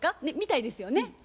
ねっ見たいですよね？